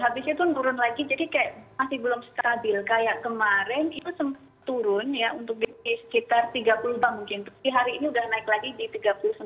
habis itu turun lagi jadi kayak masih belum stabil kayak kemarin itu turun ya untuk di sekitar tiga puluh bang mungkin tapi hari ini udah naik lagi di tiga puluh sembilan